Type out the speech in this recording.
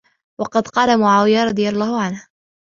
وَقَدْ قَالَ مُعَاوِيَةُ رَضِيَ اللَّهُ عَنْهُ